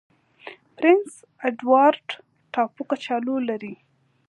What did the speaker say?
پرنس اډوارډ ټاپو کچالو لري.